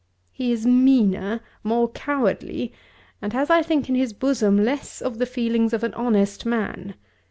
He is meaner, more cowardly, and has I think in his bosom less of the feelings of an honest man.